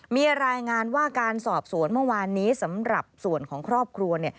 มีรายงานว่าการสอบสวนเมื่อวานนี้สำหรับส่วนของครอบครัว